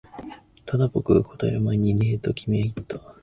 ただ、僕が答える前にねえと君は言った